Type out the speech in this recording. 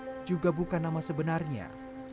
dia juga mengambil nama yang sama dengan nama anak anak itu